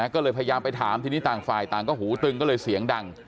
ก็เลยพยายามไปถามทีนี้ต่างฝ่ายต่างก็หูตึงก็เลยเสียงดัง